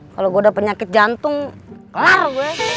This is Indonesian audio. kalo gua udah penyakit jantung kelar gue